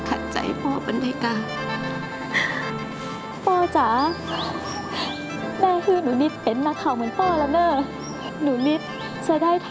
ลูนิจขอบคุณนะแม่ลูนิจหักแม่แต่เลยเจ้า